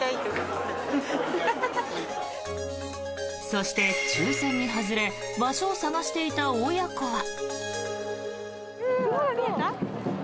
そして、抽選に外れ場所を探していた親子は。